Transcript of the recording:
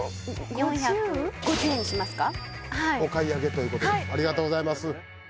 ４５０円にしますかお買い上げということでありがとうございます